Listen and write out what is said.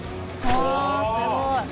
あすごい！